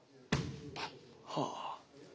はあ。